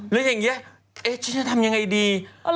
แล้วอย่างนี้ฉันจะทำยังไงดี